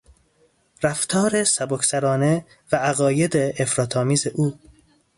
رفتار سبک سرانه و عقاید افراط آمیز او